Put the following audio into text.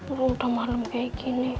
orang tamah malam kayak gini